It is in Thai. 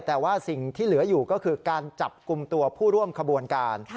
แต่ว่าสิ่งที่เหลืออยู่ก็คือการจับกลุ่มตัวผู้ร่วมขบวนการ